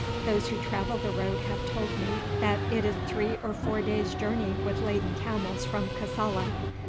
Those who travel the road have told me that it is three or four days' journey with laden camels from Kassala.